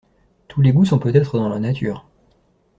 Tous les goûts sont peut être dans la nature.